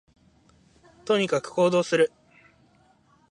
とにかく行動する